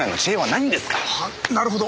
なるほど！